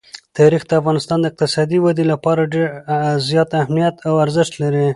تاریخ د افغانستان د اقتصادي ودې لپاره ډېر زیات اهمیت او ارزښت لري.